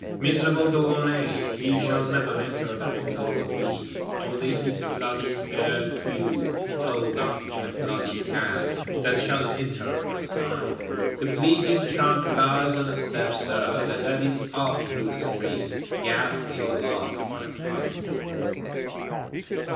Miserable De Launay! He shall never enter the Hôtel de Ville; only his "bloody hair queue, held up in a bloody hand"; that shall enter, for a sign. The bleeding trunk lies on the steps there; the head is off through the streets, ghastly, aloft on a pike.